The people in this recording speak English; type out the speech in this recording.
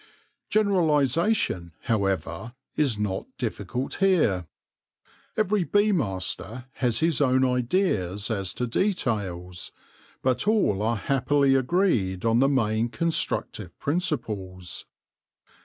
Generalisation, however; is not difficult here. Every bee master has his own ideas as to details, but all are happily agreed on the main constructive principles.